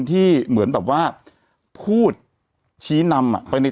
แต่หนูจะเอากับน้องเขามาแต่ว่า